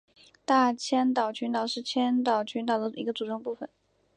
大千岛群岛是千岛群岛的一个组成部分。